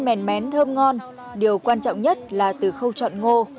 mèn mén thơm ngon điều quan trọng nhất là từ khâu chọn ngô